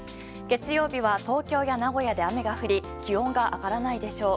月曜日は東京や名古屋で雨が降り気温が上がらないでしょう。